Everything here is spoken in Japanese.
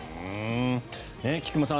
菊間さん